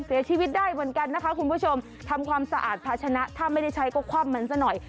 เสียชีวิตได้เหมือนกันนะคะคุณผู้ชมทำความสะอาดภาชนะถ้าไม่ได้ใช้ก็คว่ำมันซะหน่อย